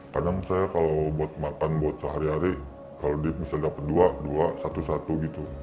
kadang saya kalau buat makan buat sehari hari kalau misalnya dapat dua dua satu satu gitu